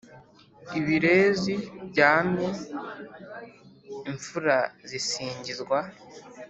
ibirezi byamye: imfura zisingizwa